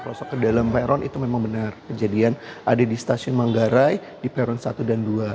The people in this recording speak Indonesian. kalau ke dalam peron itu memang benar kejadian ada di stasiun manggarai di peron satu dan dua